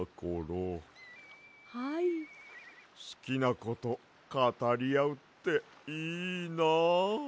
すきなことかたりあうっていいな。